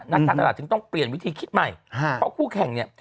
นักการตลาดถึงต้องเปลี่ยนวิธีคิดใหม่เพราะคู่แข่งเนี่ย